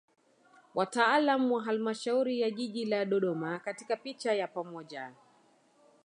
Wataalam wa Halmashauri ya Jiji la Dodoma katika picha ya pamoja